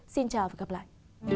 xin chào và hẹn gặp lại